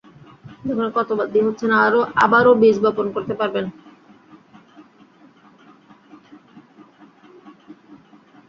আবারও বীজ বপন করতে পারবেন।